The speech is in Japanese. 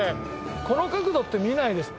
この角度って見ないです。